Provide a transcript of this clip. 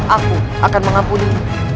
aku akan mengampuni